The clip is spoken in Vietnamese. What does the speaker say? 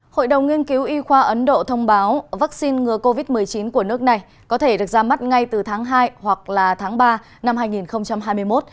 hội đồng nghiên cứu y khoa ấn độ thông báo vaccine ngừa covid một mươi chín của nước này có thể được ra mắt ngay từ tháng hai hoặc là tháng ba năm hai nghìn hai mươi một